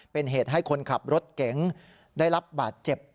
เป็นเหตุให้คนขับรถเก๋งได้รับบาดเจ็บ